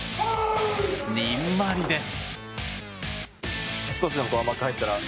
にんまりです。